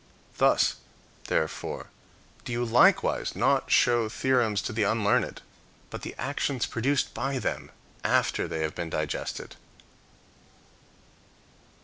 Thus, therefore, do you likewise not show theorems to the unlearned, but the actions produced by them after they have been digested.